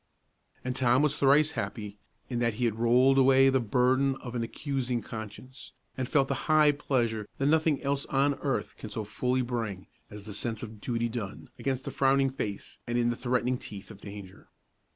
And Tom was thrice happy, in that he had rolled away the burden of an accusing conscience, and felt the high pleasure that nothing else on earth can so fully bring as the sense of duty done, against the frowning face and in the threatening teeth of danger.